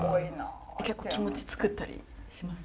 結構気持ち作ったりします？